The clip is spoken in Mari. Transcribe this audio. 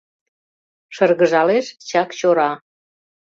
Шыргыжалеш Чакчора